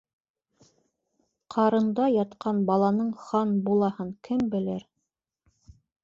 Ҡарында ятҡан баланың хан булаһын кем белер?